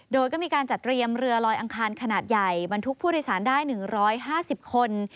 โดยก็มีการจัดเตรียมเรือลอยอังคารขนาดใหญ่บรรทุกผู้โดยสารได้๑๕๐คน